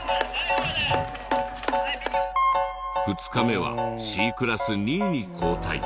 ２日目はＣクラス２位に後退。